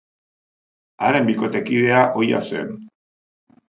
Haren bikotekide ohia zen.